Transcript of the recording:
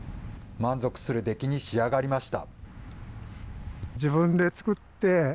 満足する出来に仕上がりました。